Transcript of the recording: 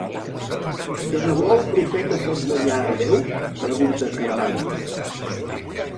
De debò el profeta pot guanyar a déu? —pregunta Carmany.